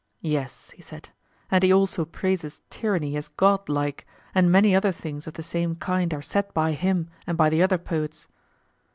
Yes, he said, and he also praises tyranny as godlike; and many other things of the same kind are said by him and by the other poets.